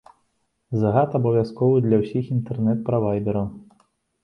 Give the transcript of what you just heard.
Загад абавязковы для ўсіх інтэрнэт-правайдэраў.